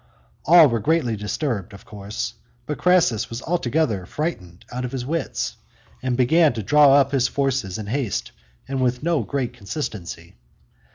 All were greatly disturbed, of course, but Crassus was altogether frightened out of his senses, and began to draw up his forces in haste and with no great consistency.